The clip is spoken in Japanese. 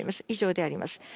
以上であります。